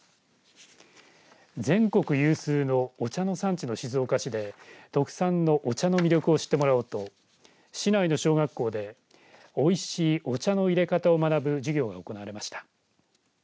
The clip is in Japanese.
全国有数のお茶の産地の静岡市で特産のお茶の魅力を知ってもらおうと市内の小学校でおいしいお茶の入れ方を学ぶ授業が行われました。